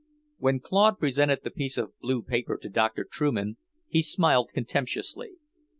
When Claude presented the piece of blue paper to Doctor Trueman, he smiled contemptuously.